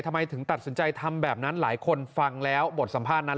ทำไมถึงตัดสินใจทำแบบนั้นหลายคนฟังแล้วบทสัมภาษณ์นั้น